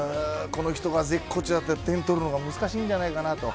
この人が絶好調だったら点を取るのが難しいんじゃないかと。